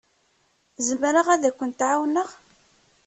Zemreɣ ad kent-ɛawneɣ?